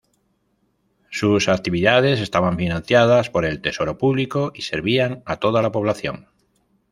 Sus actividades estaban financiadas por el tesoro público y servían a toda la población.